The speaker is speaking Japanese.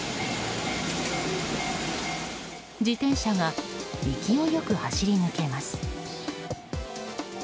自転車が勢いよく走り抜けます。